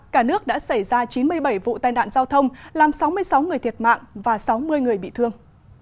cả nước đã xảy ra chín mươi bảy vụ tai nạn giao thông làm sáu mươi sáu người thiệt mạng và sáu mươi người bị thương